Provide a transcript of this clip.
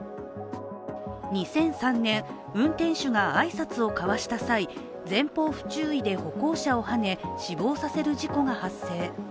２００３年、運転手が挨拶を交わした際前方不注意で歩行者をはね、死亡させる事故が発生。